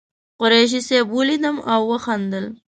قریشي صاحب ولیدم او وخندل.